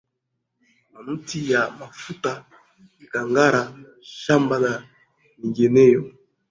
Kuna miti ya mafuta mikangara shamba na mingineyo